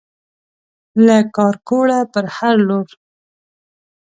له کارکوړه پر هر لور